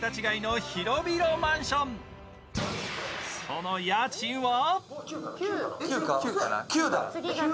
その家賃は？